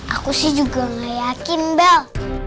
aku sih nggak yakin bel